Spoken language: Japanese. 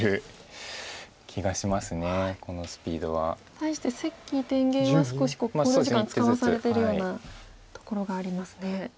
対して関天元は少し考慮時間使わされてるようなところがありますね。